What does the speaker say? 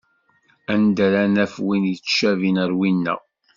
Anda ara naf win yettcabin ar winna?